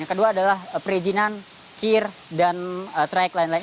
yang kedua adalah perizinan kir dan trayek lain lain